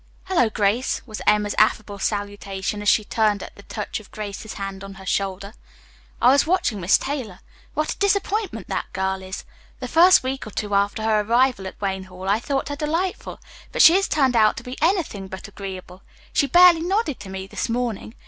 "Hello, Grace," was Emma's affable salutation as she turned at the touch of Grace's hand on her shoulder. "I was watching Miss Taylor. What a disappointment that girl is. The first week or two after her arrival at Wayne Hall I thought her delightful, but she has turned out to be anything but agreeable. She barely nodded to me this morning.